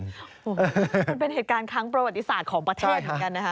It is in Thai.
มันเป็นเหตุการณ์ครั้งประวัติศาสตร์ของประเทศเหมือนกันนะคะ